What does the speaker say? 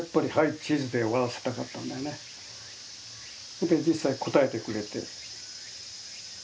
それで実際応えてくれて。